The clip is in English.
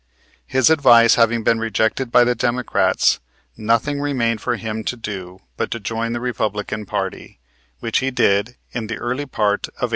His advice having been rejected by the Democrats, nothing remained for him to do but to join the Republican party, which he did in the early part of 1869.